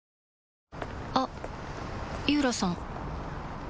あっ井浦さん